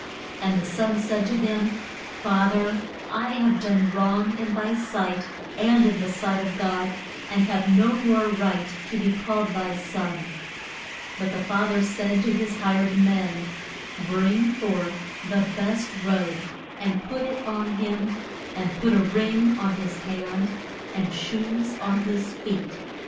And the son said to him, Fa ther I have done wrong in thy sight, and in the sight of God, and have no more right to be called thy son. But the fa ther said to his hired men, Bring forth the best robe and put it on him, and put a ring on his hand, and shoes on his feet.